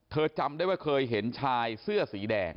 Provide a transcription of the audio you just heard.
จำได้ว่าเคยเห็นชายเสื้อสีแดง